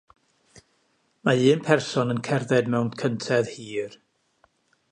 Mae un person yn cerdded mewn cyntedd hir